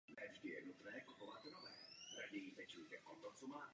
Sleduje ho až do hlavního sídla organizace.